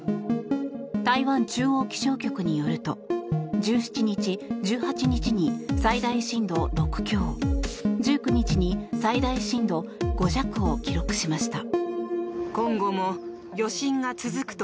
台湾中央気象局によると１７日、１８日に最大震度６強１９日に最大震度５弱を記録しました。